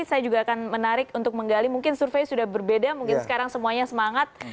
saya juga akan menarik untuk menggali mungkin survei sudah berbeda mungkin sekarang semuanya semangat